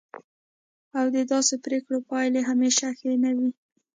او د داسې پریکړو پایلې همیشه ښې نه وي.